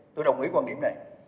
tôi đồng ý quan điểm này